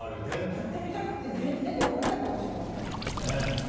やってみたいけど出てこられないかもしれません。